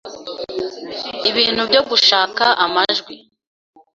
ibintu byo gushaka amajwi